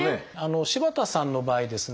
柴田さんの場合ですね